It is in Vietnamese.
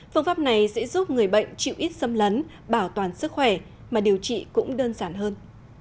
phương pháp này sẽ giúp người bệnh chịu ít xâm lấn bảo toàn sức khỏe mà điều trị cũng đơn giản hơn